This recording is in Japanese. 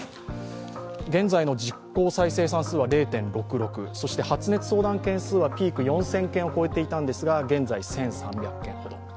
現在の実効再生産数は０．６６そして発熱相談件数はピーク４０００件を超えていたんですが、現在１３００件ほど。